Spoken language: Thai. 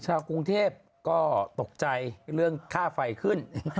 ชาวกรุงเทพก็ตกใจเรื่องค่าไฟขึ้น